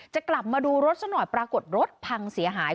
จะกลับมาดูรถซะหน่อยปรากฏรถพังเสียหาย